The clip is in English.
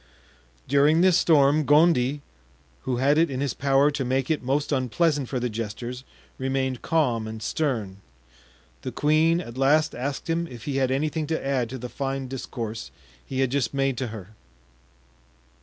During this storm, Gondy, who had it in his power to make it most unpleasant for the jesters, remained calm and stern. The queen at last asked him if he had anything to add to the fine discourse he had just made to her.